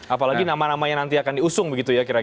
apalagi nama nama yang nanti akan diusung begitu ya kira kira